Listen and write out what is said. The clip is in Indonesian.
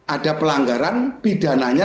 ada pelanggaran pidananya